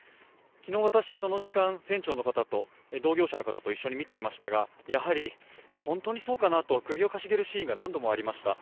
昨日、私その時間船長の方と同業者の方と一緒に見ていましたがやはり本当にそうかなと首を傾げるシーンが何度もありました。